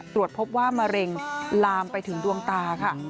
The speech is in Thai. ตรวจพบว่ามะเร็งลามไปถึงดวงตาค่ะ